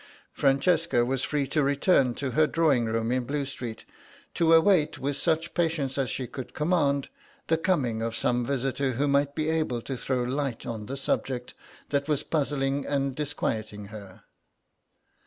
Francesca was free to return to her drawing room in Blue Street to await with such patience as she could command the coming of some visitor who might be able to throw light on the subject that was puzzling and disquieting her.